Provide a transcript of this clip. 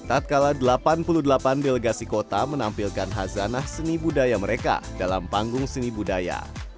tak kala delapan puluh delapan delegasi kota menampilkan hazanah seni budaya mereka dalam panggung seni budaya